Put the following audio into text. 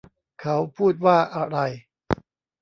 เขาพูดว่าอะไร